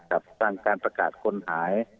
กับการประกาศคนหาย